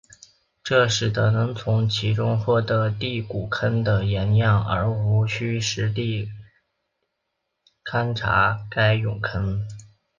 这使得能从其中获得第谷坑的岩样而无需实地勘查该陨坑。